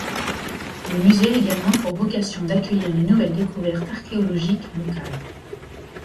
Le musée a également pour vocation d'accueillir les nouvelles découvertes archéologiques locales.